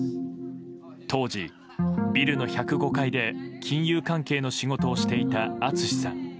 当時、ビルの１０５階で金融関係の仕事をしていた敦さん。